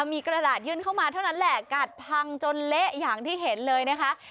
มีกระดาษยื่นเข้ามาเท่านั้นแหละกัดพังจนเละอย่างที่เห็นเลยนะคะ